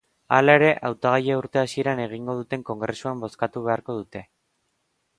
Hala ere, hautagaia urte hasieran egingo duten kongresuan bozkatu beharko dute.